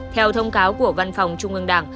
theo thông cáo của văn phòng trung ương đảng